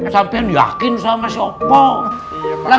sampai yakin sama siapa